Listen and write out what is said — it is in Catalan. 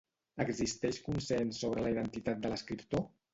Existeix consens sobre la identitat de l'escriptor?